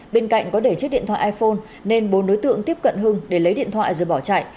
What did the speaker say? bên cạnh có để chiếc điện thoại iphone nên bốn đối tượng tiếp cận hưng để lấy điện thoại rồi bỏ chạy